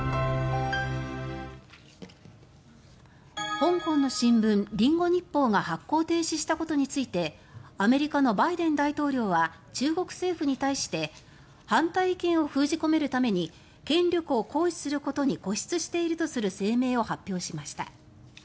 香港の新聞リンゴ日報が発行停止したことについてアメリカのバイデン大統領は中国政府に対して反対意見を封じ込めるために権力を行使することに固執しているとする声明を発表しました。